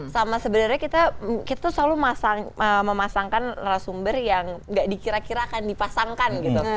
sama sebenarnya kita selalu memasangkan narasumber yang gak dikira kira akan dipasangkan gitu